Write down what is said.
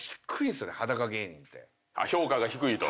評価が低いと？